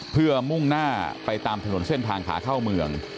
เพื่อมุ่งหน้าไปตามถนนเส้นทางขาเข้าเมือง